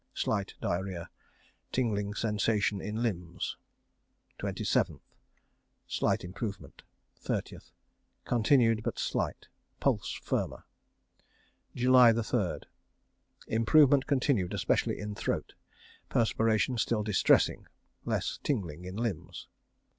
Slight diarrhoea. Tingling sensation in limbs. 27th. Slight improvement. 30th. Continued, but slight. Pulse firmer. JULY 3rd. Improvement continued, especially in throat. Perspiration still distressing. Less tingling in limbs.